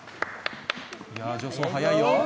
助走、速いよ。